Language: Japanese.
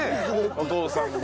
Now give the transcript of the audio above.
お父さんも。